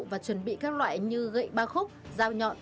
và chuẩn bị các loại như gậy ba khúc dao nhọn